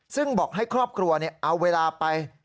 ซึ่งบอกให้ครอบครัวเอาเวลาไป